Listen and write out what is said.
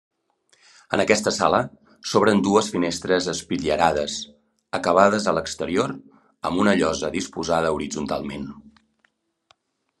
En aquesta sala s'obren dues finestres espitllerades acabades a l'exterior amb una llosa disposada horitzontalment.